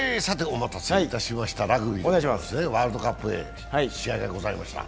お待たせいたしました、ラグビーですね、ワールドカップへ試合がございました。